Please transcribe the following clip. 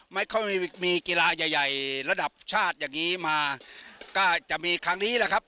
ไม่มีมีกีฬาใหญ่ใหญ่ระดับชาติอย่างนี้มาก็จะมีครั้งนี้แหละครับ